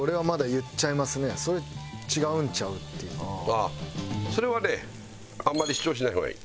ああそれはねあんまり主張しない方がいい。